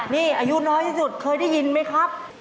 นี่อายุน้อยที่สุดเคยได้ยินไหมครับ